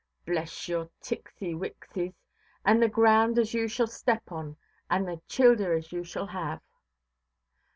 Bless your ticksy–wicksies, and the ground as you shall step on, and the childer as you shall have".